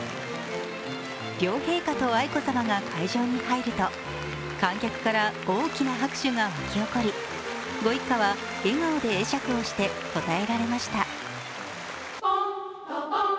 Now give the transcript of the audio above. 両陛下と愛子さまが会場に入ると観客から大きな拍手が沸き起こりご一家は笑顔で会釈をして応えられました。